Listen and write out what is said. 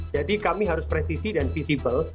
jadi kami harus presisi dan visible